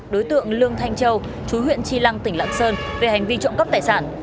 đối tượng lương thanh châu chú huyện tri lăng tỉnh lạng sơn về hành vi trụng cấp tài sản